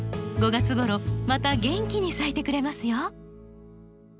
５月ごろまた元気に咲いてくれますよ。